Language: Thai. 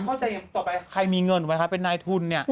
เข้าใจต่อไปใครมีเงินไหมคะเป็นนายทุนเนี่ย